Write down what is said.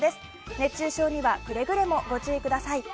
熱中症にはくれぐれもご注意ください。